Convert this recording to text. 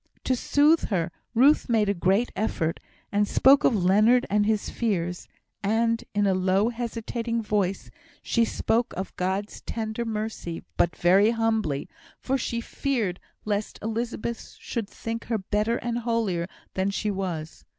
To soothe her, Ruth made a great effort; and spoke of Leonard and his fears, and, in a low hesitating voice, she spoke of God's tender mercy, but very humbly, for she feared lest Elizabeth should think her better and holier than she was.